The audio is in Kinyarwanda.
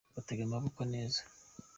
batega amaboko neza.